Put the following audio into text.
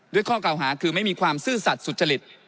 ข้อเก่าหาคือไม่มีความซื่อสัตว์สุจริต